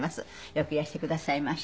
よくいらしてくださいました。